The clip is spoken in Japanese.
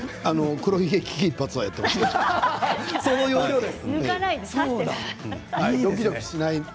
黒ひげ危機一髪はやっています。